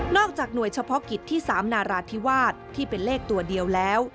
จากหน่วยเฉพาะกิจที่๓นาราธิวาสที่เป็นเลขตัวเดียวแล้ว